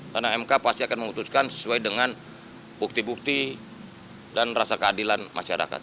karena mk pasti akan memutuskan sesuai dengan bukti bukti dan rasa keadilan masyarakat